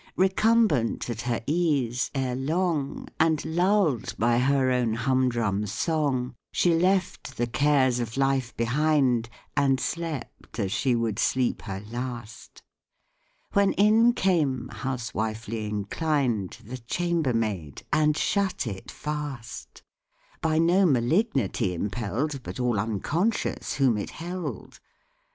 Recumbent at her ease, ere long, And lull'd by her own humdrum song, She left the cares of life behind, And slept as she would sleep her last, When in came, housewifely inclined, The chambermaid, and shut it fast; By no malignity impell'd, But all unconscious whom it held.